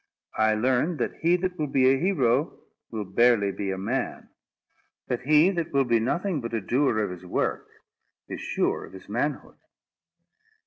I learned that he that will be a hero, will barely be a man; that he that will be nothing but a doer of his work, is sure of his manhood.